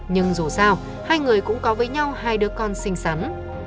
nhưng dù sao hai người cũng có với nhau hai đứa con xinh xắn